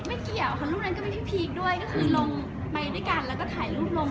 ไม่เกี่ยวค่ะรูปนั้นก็ไม่ได้พีคด้วยก็คือลงไปด้วยกันแล้วก็ถ่ายรูปลง